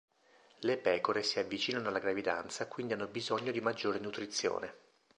Le pecore si avvicinano alla gravidanza quindi hanno bisogno di maggiore nutrizione.